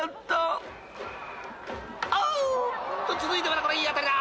［続いてこれいい当たりだ！］